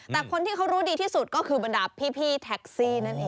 แต่คนที่เขารู้ดีที่สุดก็คือบรรดาพี่แท็กซี่นั่นเอง